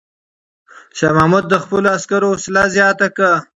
شاه محمود د خپلو عسکرو حوصله زیاته کړه.